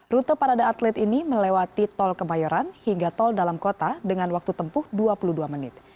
rute parada atlet ini melewati tol kemayoran hingga tol dalam kota dengan waktu tempuh dua puluh dua menit